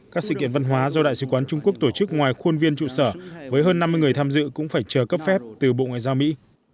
các sự kiện văn hóa do đại sứ quán trung quốc tổ chức ngoài khuôn viên trụ sở với hơn năm mươi người tham dự cũng phải chờ cấp phép từ bộ ngoại giao mỹ